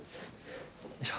よいしょ。